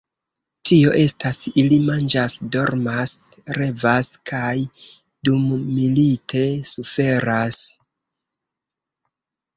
Tio estas, ili manĝas, dormas, revas… kaj dummilite suferas.